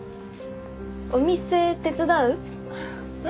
お店手伝う？